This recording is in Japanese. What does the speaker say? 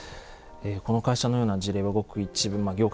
この会社のような事例はごく一部まあ